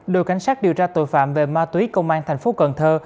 đội cảnh sát điều tra tội phạm về ma túy công an thành phố cần thơ